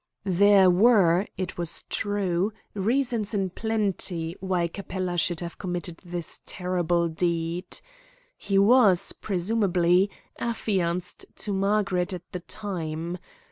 There were, it was true, reasons in plenty, why Capella should have committed this terrible deed. He was, presumably, affianced to Margaret at the time.